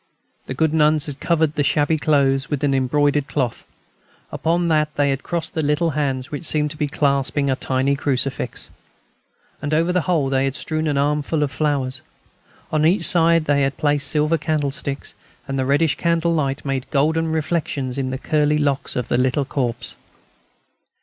The good nuns had covered the shabby clothes with an embroidered cloth. Upon that they had crossed the little hands, which seemed to be clasping a tiny crucifix. And over the whole they had strewn an armful of flowers. On each side they had placed silver candlesticks, and the reddish candle light made golden reflections in the curly locks of the little corpse.